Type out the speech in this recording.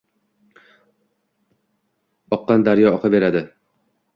Oqqan daryo oqaveradi.